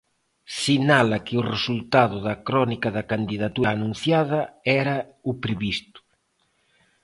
Sinala que o resultado da "crónica da candidatura anunciada" era o "previsto".